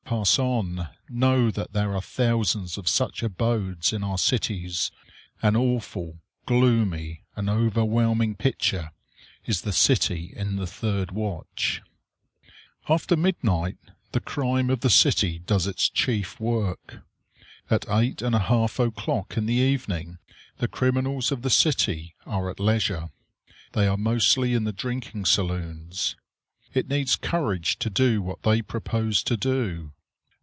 Pass on! Know that there are thousands of such abodes in our cities. An awful, gloomy, and overwhelming picture is the city in the third watch. After midnight the crime of the city does its chief work. At eight and a half o'clock in the evening the criminals of the city are at leisure. They are mostly in the drinking saloons. It needs courage to do what they propose to do.